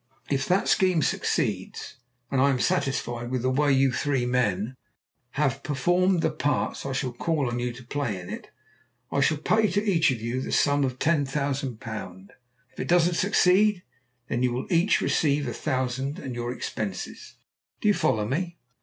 If that scheme succeeds, and I am satisfied with the way you three men have performed the parts I shall call on you to play in it, I shall pay to each of you the sum of £10,000. If it doesn't succeed, then you will each receive a thousand and your expenses. Do you follow me?"